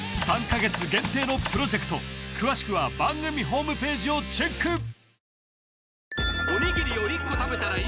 ３カ月限定のプロジェクト詳しくは番組ホームページをチェック